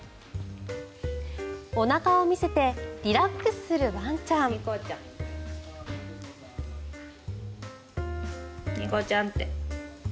おなかを見せてリラックスするワンちゃん。